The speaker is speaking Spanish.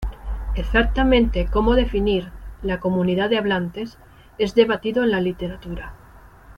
Exactamente cómo definir "la comunidad de hablantes" es debatido en la literatura.